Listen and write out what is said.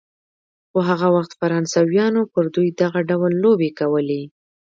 خو هغه وخت فرانسویانو پر دوی دغه ډول لوبې کولې.